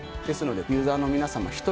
ですのでユーザーの皆さま